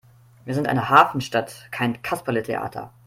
Wir sind eine Hafenstadt, kein Kasperletheater!